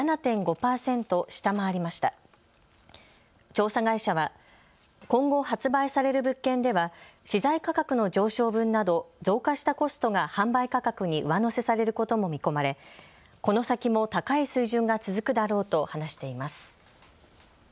調査会社は今後、発売される物件では資材価格の上昇分など増加したコストが販売価格に上乗せされることも見込まれこの先も高い水準が続くだろうと話しています。